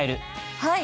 はい。